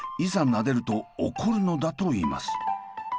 なでると怒るのだといいます。